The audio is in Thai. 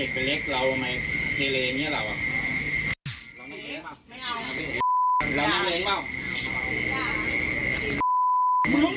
ขอโทษไทะแล้วเด็กว่ะ